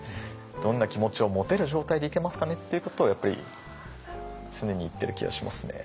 どんな気持ちを持てる状態でいけますかねっていうことをやっぱり常に言ってる気がしますね。